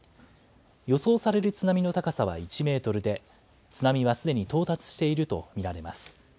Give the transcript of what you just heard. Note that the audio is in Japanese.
予想される津波の高さは１メートルで、津波はすでに到達していると見られます。